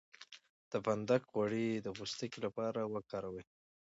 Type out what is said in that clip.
د فندق غوړي د پوستکي لپاره وکاروئ